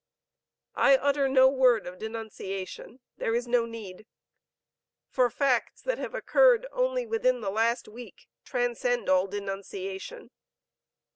I utter no word of denunciation. There is no need. For facts that have occurred only within the last week, transcend all denunciation.